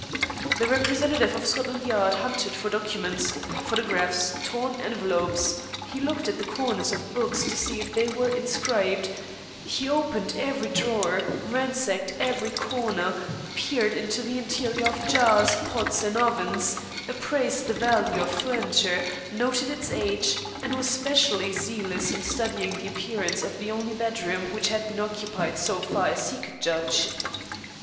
The representative of Scotland Yard hunted for documents, photographs, torn envelopes; he looked at the covers of books to see if they were inscribed; he opened every drawer, ransacked every corner, peered into the interior of jars, pots, and ovens; appraised the value of furniture, noted its age, and was specially zealous in studying the appearance of the only bedroom which had been occupied so far as he could judge.